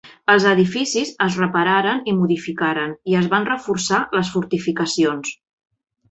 Els edificis es repararen i modificaren, i es van reforçar les fortificacions.